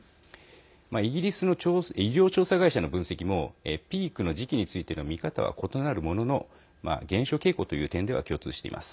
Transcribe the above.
イギリスの医療調査会社の分析もピークの時期についての見方は異なるものの減少傾向という点では共通しています。